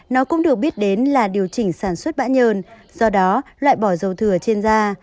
nó cũng được biết đến là điều chỉnh sản xuất bã nhờn do đó loại bỏ dầu thừa trên da